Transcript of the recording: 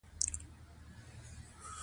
اقلیم د افغانستان د زرغونتیا نښه ده.